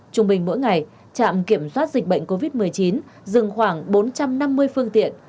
trung bình mỗi ngày trạm kiểm soát dịch bệnh covid một mươi chín dừng khoảng bốn trăm năm mươi phương tiện